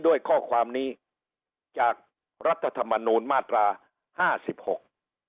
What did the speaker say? ด้วยข้อความนี้จากรัฐธรรมนูลมาตราห้าสิบหก